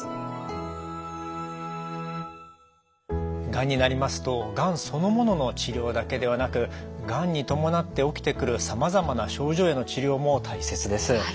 がんになりますとがんそのものの治療だけではなくがんに伴って起きてくるさまざまな症状への治療も大切です。